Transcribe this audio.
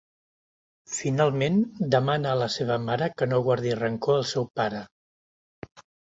Finalment, demana a la seva mare que no guardi rancor al seu pare.